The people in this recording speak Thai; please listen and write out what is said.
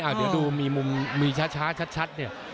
เดี๋ยวดูมีมุมมีช้าชัดเนี่ย